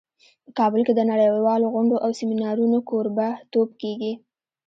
په کابل کې د نړیوالو غونډو او سیمینارونو کوربه توب کیږي